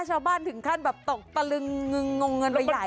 ชาวบ้านถึงขั้นแบบตกตะลึงงึงงเงินไปใหญ่